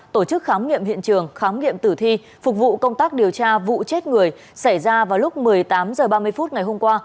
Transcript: tổ chức khám nghiệm hiện trường khám nghiệm tử thi phục vụ công tác điều tra vụ chết người xảy ra vào lúc một mươi tám h ba mươi phút ngày hôm qua